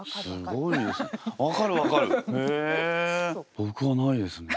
僕はないですね。